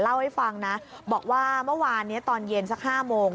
เล่าให้ฟังนะบอกว่าเมื่อวานนี้ตอนเย็นสัก๕โมง